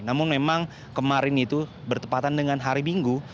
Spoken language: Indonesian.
namun memang kemarin itu bertepatan dengan hari minggu